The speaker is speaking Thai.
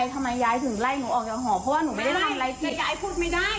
ทำไมยายถึงไล่หนูออกจากห่อเพราะว่าหนูไม่ได้ทำไรผิด